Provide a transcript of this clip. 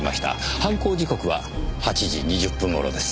犯行時刻は８時２０分頃です。